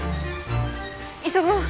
急ごう。